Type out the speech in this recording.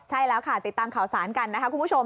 ใช่แล้วค่ะติดตามข่าวสารกันนะคะคุณผู้ชม